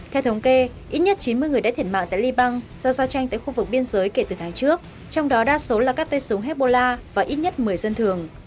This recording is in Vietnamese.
theo thống kê ít nhất chín mươi người đã thiệt mạng tại liban do giao tranh tại khu vực biên giới kể từ tháng trước trong đó đa số là các tay súng hezbollah và ít nhất một mươi dân thường